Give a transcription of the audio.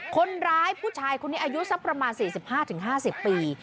คนร้ายผู้ชายคนนี้อายุสักประมาณ๔๕๕๐ปี